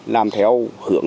làm theo hướng